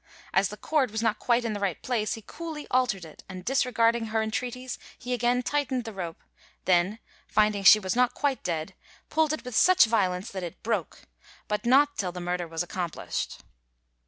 As the cord was not quite in the right place he coolly altered it, and disregarding her entreaties, he again tightened the rope; then finding she was not quite dead, pulled it with such violence that it broke, but not till the murder was accomplished.